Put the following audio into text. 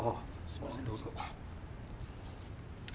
すみませんどうぞ。